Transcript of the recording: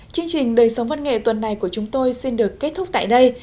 chương trình đời sống văn nghệ tuần này của chúng tôi xin được kết thúc tại đây